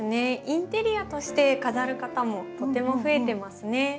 インテリアとして飾る方もとても増えてますね。